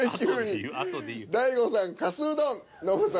大悟さん「かすうどん」ノブさん